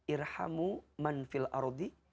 irhamu manfil ardi